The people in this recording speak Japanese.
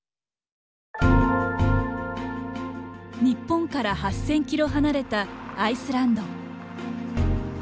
日本から８０００キロ離れたアイスランド。